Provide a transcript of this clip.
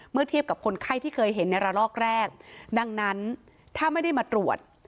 เทียบกับคนไข้ที่เคยเห็นในระลอกแรกดังนั้นถ้าไม่ได้มาตรวจ